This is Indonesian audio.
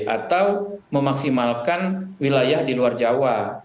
atau memaksimalkan wilayah di luar jawa